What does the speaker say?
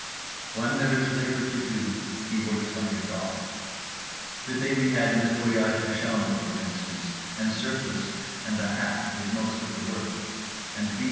When there is labour to do he works like a dog … the day we had nettoyage de chambre, for instance, and Surplice and The Hat did most of the work; and B.